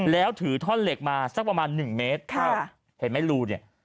แล้วถือท่อนเหล็กมาสักประมาณหนึ่งเมตรครับเห็นไหมรูเนี่ย